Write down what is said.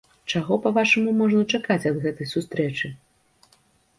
Чаго, па-вашаму, можна чакаць ад гэтай сустрэчы?